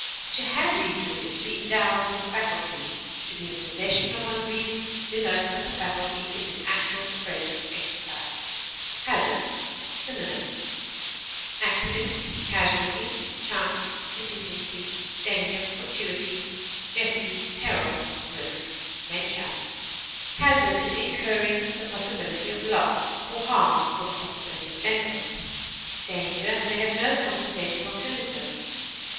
To have reason is to be endowed with the faculty; to be in possession of one's reason denotes that the faculty is in actual present exercise. HAZARD. Synonyms: accident, chance, danger, jeopardy, risk, casualty, contingency, fortuity, peril, venture. Hazard is the incurring the possibility of loss or harm for the possibility of benefit; danger may have no compensating alternative.